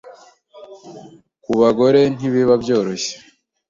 ku bagore ntibiba byoroshye